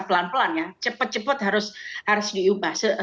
pelan pelan ya cepet cepet harus harus diubah